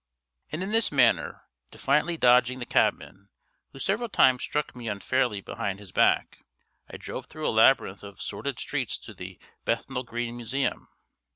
And in this manner, defiantly dodging the cabman, who several times struck me unfairly behind his back, I drove through a labyrinth of sordid streets to the Bethnal Green Museum.